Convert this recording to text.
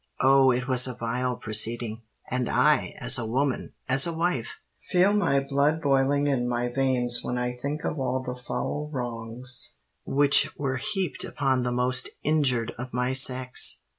Oh! it was a vile proceeding; and I, as a woman—as a wife, feel my blood boiling in my veins when I think of all the foul wrongs which were heaped upon the most injured of my sex!"